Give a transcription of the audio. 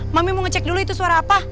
mami mau ngecek dulu itu suara apa